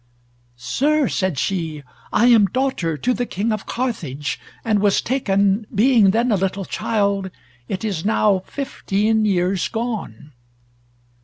"Sir," said she, "I am daughter to the King of Carthage, and was taken, being then a little child, it is now fifteen years gone."